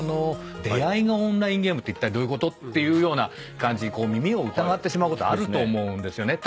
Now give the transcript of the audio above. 出会いがオンラインゲームってどういうこと？って感じに耳を疑ってしまうことあると思うんですよね。